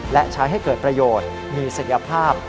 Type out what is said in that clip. และใช้ให้เกิดประโยชน์มีศักยภาพ